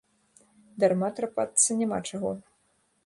Дарма трапацца няма чаго.